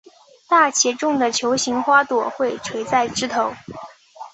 大且重的球形花朵会垂在枝头。